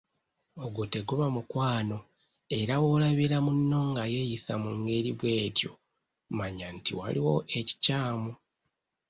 Ogwo teguba mukwano era w'olabira munno nga yeeyisa mu ngeri bw'etyo mannya nti waliwo ekikyamu.